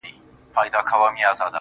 ما دي د حُسن انتها ته سجده وکړه,